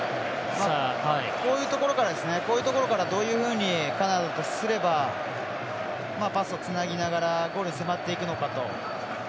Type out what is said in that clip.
こういうところからどういうふうにカナダとすればパスをつなぎながらゴールに迫っていくのかと。